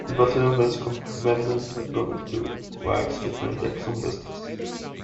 The Battalion Vice Commandant had gone into Whites to transact some business.